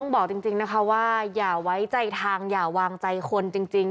บอกจริงนะคะว่าอย่าไว้ใจทางอย่าวางใจคนจริง